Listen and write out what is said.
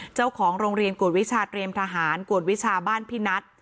เจ้าของโรงเรียนกวดวิชาเตรียมทหารกวดวิชาบ้านพี่นัท